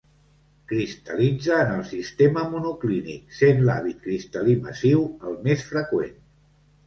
Cristal·litza en el sistema monoclínic, sent l'hàbit cristal·lí massiu el més freqüent.